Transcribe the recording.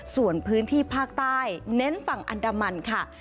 ส่วนพื้นที่ภาคใต้เน้นฝั่งอันดามันค่ะ